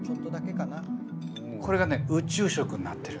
これがね宇宙食になってる。